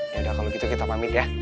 yaudah kalau gitu kita pamit ya